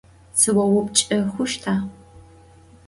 Sıoupçç'ı xhuşta?